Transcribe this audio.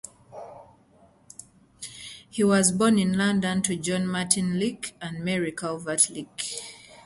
He was born in London to John Martin Leake and Mary Calvert Leake.